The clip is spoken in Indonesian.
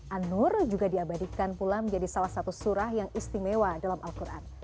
anur juga diabadikan pula menjadi salah satu surah yang istimewa dalam al quran